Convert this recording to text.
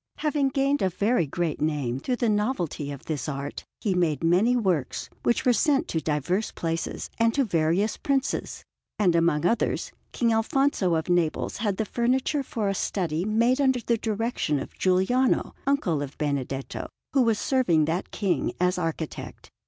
Having gained a very great name through the novelty of this art, he made many works, which were sent to diverse places and to various Princes; and among others King Alfonso of Naples had the furniture for a study, made under the direction of Giuliano, uncle of Benedetto, who was serving that King as architect.